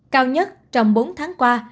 cao nhất trong bốn tháng qua